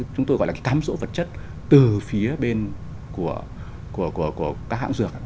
chúng tôi gọi là cái cám rỗ vật chất từ phía bên của các hãng dược